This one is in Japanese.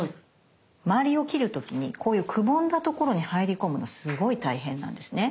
周りを切る時にこういうくぼんだところに入り込むのすごい大変なんですね。